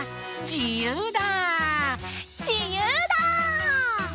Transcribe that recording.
じゆうだ！